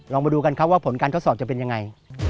มาดูกันครับว่าผลการทดสอบจะเป็นยังไง